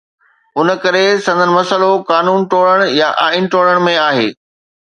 ان ڪري سندن مسئلو قانون ٽوڙڻ يا آئين ٽوڙڻ ۾ آهي.